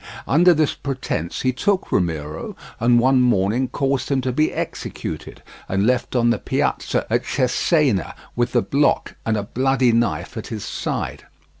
Under this pretence he took Ramiro, and one morning caused him to be executed and left on the piazza at Cesena with the block and a bloody knife at his side.